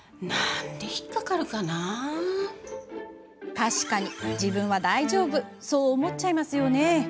確かに、自分は大丈夫そう思っちゃいますよね。